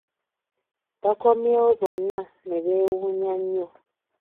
Bakomyewo bonna n’ebeewuunya nnyo.